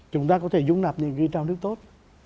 chúng ta có thể dùng nạp những cái trào lưu tốt